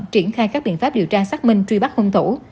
triển khai các biện pháp điều tra xác minh truy bắt hung thủ